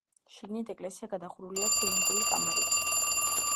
შიგნით ეკლესია გადახურულია ცილინდრული კამარით.